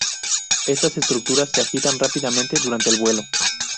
Estas estructuras se agitan rápidamente durante el vuelo.